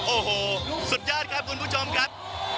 โอ้โหสุดยอดครับคุณผู้ชมครับ